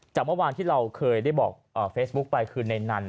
จากเมื่อวานที่เราเคยได้บอกเฟซบุ๊คไปคือในนั้น